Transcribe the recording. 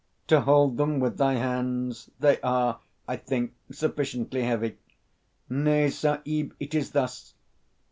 "To hold them with thy hands? They are, I think, sufficiently heavy." "Nay, Sahib. It is thus.